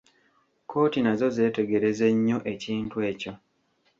Kkooti nazo zeetegereze nnyo ekintu ekyo.